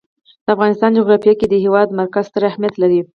د افغانستان جغرافیه کې د هېواد مرکز ستر اهمیت لري.